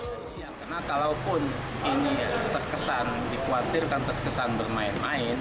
karena kalaupun ini terkesan dikhawatirkan terkesan bermain main